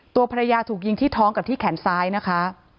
ตัวภรรยาถูกยิงที่ท้องกับที่แขนซ้ายนะคะ